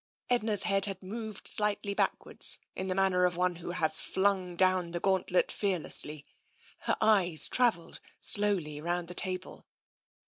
Edna's head was moved slightly backwards, in the manner of one who has flung down the gauntlet fear lessly. Her eyes travelled slowly round the table.